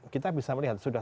kita bisa melihat sudah